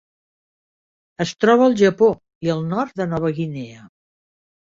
Es troba al Japó i al nord de Nova Guinea.